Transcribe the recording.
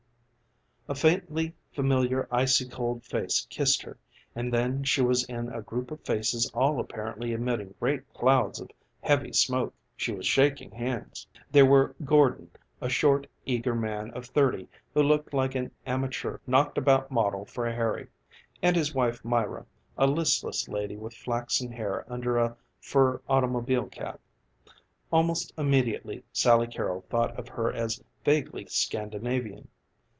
A faintly familiar icy cold face kissed her, and then she was in a group of faces all apparently emitting great clouds of heavy smoke; she was shaking hands. There were Gordon, a short, eager man of thirty who looked like an amateur knocked about model for Harry, and his wife, Myra, a listless lady with flaxen hair under a fur automobile cap. Almost immediately Sally Carrol thought of her as vaguely Scandinavian.